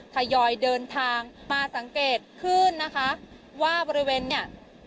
ทยอยเดินทางมาสังเกตขึ้นนะคะว่าบริเวณเนี่ย